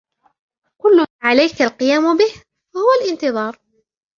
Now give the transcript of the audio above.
كل ما عليك القيام به هو الإنتظار.